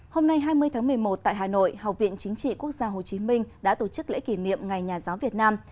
hôm nay hai mươi tháng một mươi một tại hà nội học viện chính trị quốc gia hồ chí minh đã tổ chức lễ kỷ niệm ngày nhà giáo việt nam